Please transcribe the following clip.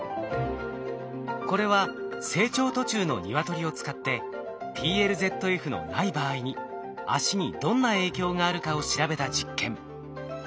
これは成長途中のニワトリを使ってＰＬＺＦのない場合に足にどんな影響があるかを調べた実験。